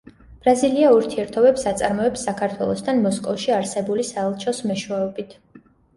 ბრაზილია ურთიერთობებს აწარმოებს საქართველოსთან მოსკოვში არსებული საელჩოს მეშვეობით.